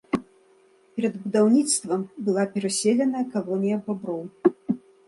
Перад будаўніцтвам была пераселеная калонія баброў.